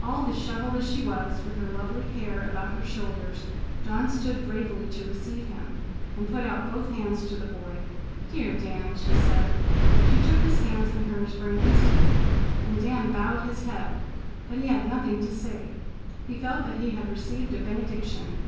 All dishevelled as she was, with her lovely hair about her shoulders, Dawn stood bravely to receive him, and put out both hands to the boy. "Dear Dan!" she said. She took his hands in hers for an instant, and Dan bowed his head, but he had nothing to say. He felt that he had received a benediction.